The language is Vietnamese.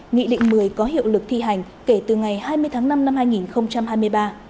nghị định một mươi có hiệu lực thi hành kể từ ngày hai mươi tháng năm năm hai nghìn hai mươi ba